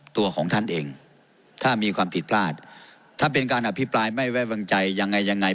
แต่เป็นการอภิปรายไม่แววินใจอย่างไร